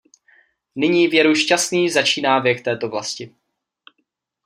Nyní věru šťastný začíná věk této vlasti.